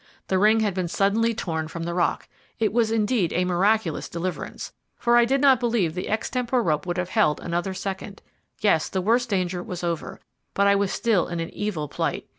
The ring had been suddenly torn from the rock. It was indeed a miraculous deliverance, for I did not believe the extempore rope would have held another second. Yes, the worst danger was over, but I was still in an evil plight.